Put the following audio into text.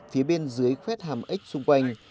phía bên dưới khuét hàm ếch xung quanh